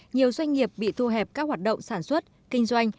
nhiều doanh nghiệp bị thu hẹp các hoạt động sản xuất kinh doanh